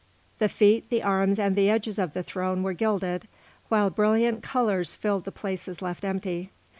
The feet, the arms, and the edges of the throne were gilded, while brilliant colours filled the places left empty.